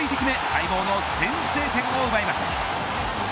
待望の先制点を奪います。